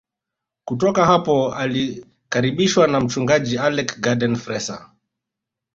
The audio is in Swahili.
Kutoka hapo alikaribishwa na mchungaji Alec Garden Fraser